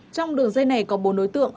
trong đường dây này có bốn đối tượng